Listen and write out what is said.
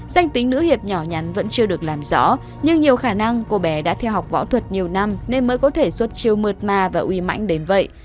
danh tính nữ hiệp nhỏ nhắn vẫn chưa được làm rõ nhưng nhiều khả năng cô bé đã theo học võ thuật nhiều năm nên mới có thể xuất chiều mượt mà và uy mãnh đến vậy